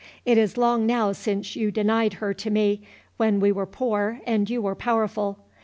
It is long now since you denied her to me, when we were poor and you were powerful.